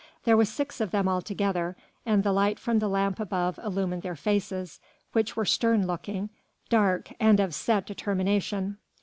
There were six of them altogether, and the light from the lamp above illumined their faces, which were stern looking, dark and of set determination.